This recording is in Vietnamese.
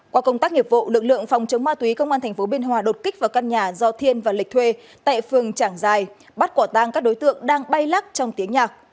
qua công tác nghiệp vụ lực lượng phòng chống ma túy công an tp biên hòa đột kích vào căn nhà do thiên và lịch thuê tại phường trảng giài bắt quả tang các đối tượng đang bay lắc trong tiếng nhạc